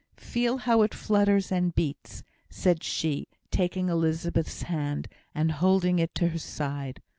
Feel how it flutters and beats," said she, taking Elizabeth's hand, and holding it to her side.